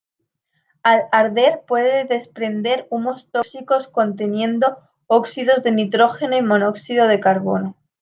Al arder puede desprender humos tóxicos conteniendo óxidos de nitrógeno y monóxido de carbono.